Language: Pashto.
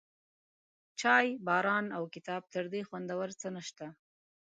چای، باران، او کتاب، تر دې خوندور څه شته؟